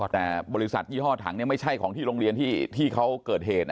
แต่บริษัทยี่ห้อถังไม่ใช่ของที่โรงเรียนที่เขาเกิดเหตุ